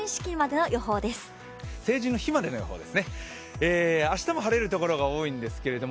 成人の日までの予報です。